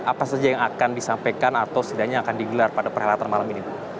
apa saja yang akan disampaikan atau setidaknya akan digelar pada perhelatan malam ini